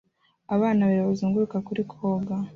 Abana babiri bazunguruka kuri koga